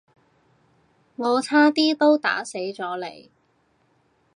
我差啲都打死咗你